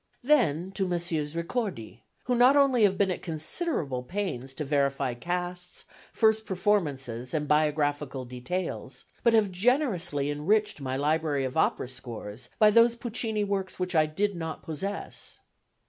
Then to Messrs. Ricordi, who not only have been at considerable pains to verify casts, first performances and biographical details, but have generously enriched my library of opera scores by those Puccini works which I did not possess.